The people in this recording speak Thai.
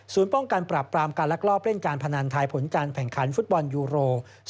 ป้องกันปรับปรามการลักลอบเล่นการพนันทายผลการแข่งขันฟุตบอลยูโร๒๐